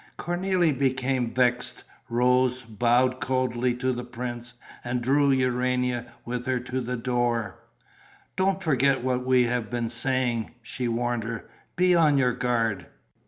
Cornélie became vexed, rose, bowed coldly to the prince and drew Urania with her to the door: "Don't forget what we have been saying," she warned her. "Be on your guard."